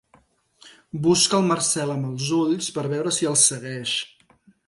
Busca el Marcel amb els ulls per veure si els segueix.